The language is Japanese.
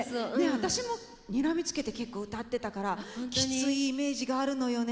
私もにらみつけて結構歌ってたからきついイメージがあるのよね。